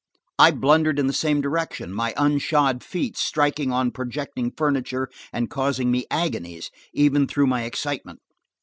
I blundered in the same direction, my unshod feet striking on projecting furniture and causing me agonies, even through my excitement.